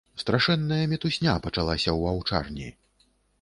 Страшэнная мітусня пачалася ў аўчарні.